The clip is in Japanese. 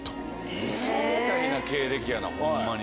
ウソみたいな経歴やなホンマに。